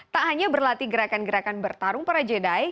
tak hanya berlatih gerakan gerakan bertarung para jeda